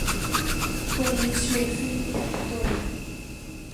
Con inicio y fin en Vitoria.